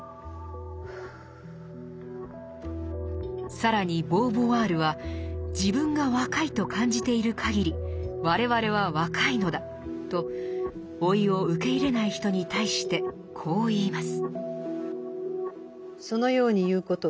更にボーヴォワールは「自分が若いと感じているかぎり我々は若いのだ」と老いを受け入れない人に対してこう言います。